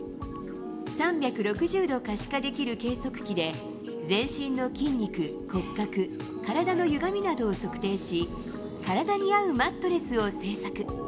３６０度可視化できる計測器で、全身の筋肉、骨格、体のゆがみなどを測定し、体に合うマットレスを製作。